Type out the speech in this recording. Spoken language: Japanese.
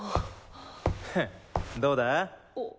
フッどうだ？